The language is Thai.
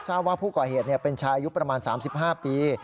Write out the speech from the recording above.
ทราบว่าผู้ก่อเหตุเป็นชายอายุประมาณ๓๕ปี